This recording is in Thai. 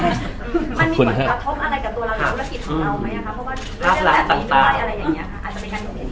มันมีผลกระทบอะไรกับตัวละละธุรกิจของเราไหมครับเพราะว่าเรื่องหน้าตลาดนี้อะไรอย่างนี้อาจจะมีความผลกระทบอีกได้ไหมครับ